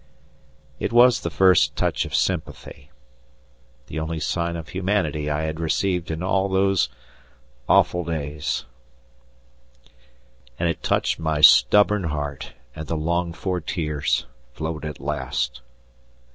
It was the first touch of sympathy, the only sign of humanity I had received in all these awful days, and it touched my stubborn heart and the longed for tears flowed at last.